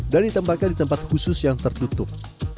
dan ditempahkan di tempat khusus yang tertutup